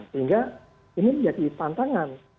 sehingga ini menjadi tantangan